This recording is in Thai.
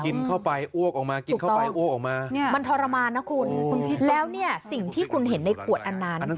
กินเข้าไปอวกออกมามันทรมานนะคุณแล้วสิ่งที่คุณเห็นในขวดอันนั้น